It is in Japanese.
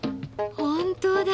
本当だ。